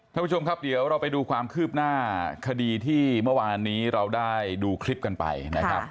ท่านผู้ชมครับเดี๋ยวเราไปดูความคืบหน้าคดีที่เมื่อวานนี้เราได้ดูคลิปกันไปนะครับ